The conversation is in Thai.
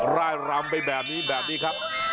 ร่ายรำไปแบบนี้แบบนี้ครับ